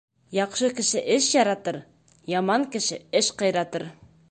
Яҡшы кеше эш яратыр, яман кеше эш ҡыйратыр.